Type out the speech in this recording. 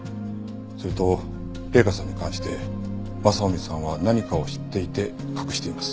それと麗華さんに関して雅臣さんは何かを知っていて隠しています。